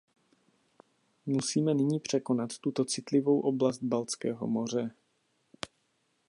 Musíme nyní překonat tuto citlivou oblast Baltského moře.